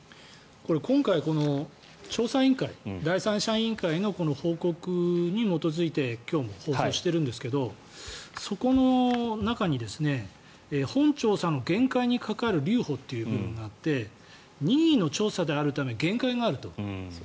今回、調査委員会第三者委員会の報告に基づいて今日も放送しているんですけどそこの中に本調査の限界にかかる留保という部分があって任意の調査であるため限界があると。